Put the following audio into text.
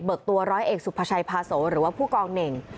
กตัวร้อยเอกสุภาชัยพาโสหรือว่าผู้กองเน่ง